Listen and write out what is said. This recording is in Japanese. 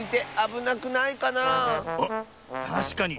おったしかに。